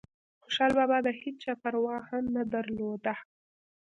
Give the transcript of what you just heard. خوشحال بابا دهيچا پروا هم نه درلوده